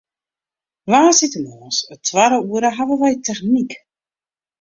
Woansdeitemoarns it twadde oere hawwe wy technyk.